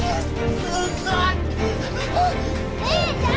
姉ちゃん！